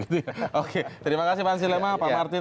terima kasih pak ansi lema pak martin